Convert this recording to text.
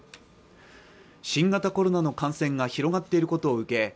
新型コロナの感染が広がっていることを受け